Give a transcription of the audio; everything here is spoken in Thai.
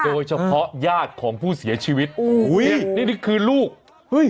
ญาติของผู้เสียชีวิตอุ้ยนี่นี่คือลูกเฮ้ย